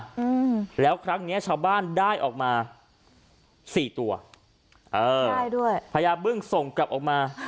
อืมแล้วครั้งเนี้ยชาวบ้านได้ออกมาสี่ตัวเออใช่ด้วยพญาบึ้งส่งกลับออกมา